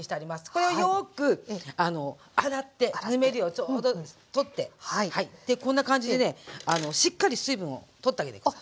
これをよく洗ってぬめりをちょうど取ってでこんな感じでねしっかり水分を取ってあげて下さい。